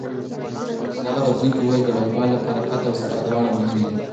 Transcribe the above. هغه روزونکی وویل چې د واليبال لپاره قد او سرعت دواړه مهم دي.